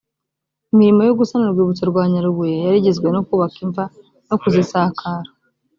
imirimo yo gusana urwibutso rwa nyarubuye yari igizwe no kubaka imva, no kuzisakara